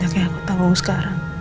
banyak yang aku tahu sekarang